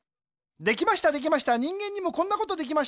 できましたできました人間にもこんなことできました。